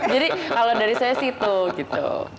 jadi kalau dari saya sih itu gitu